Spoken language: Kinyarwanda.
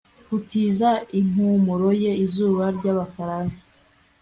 Gutiza impumuro ye izuba ryabafaransa